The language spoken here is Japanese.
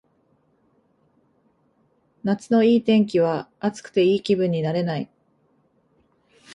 夏のいい天気は暑くていい気分になれない